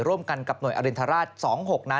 ร่วมกันกับหน่วยอรินทราช๒๖นาย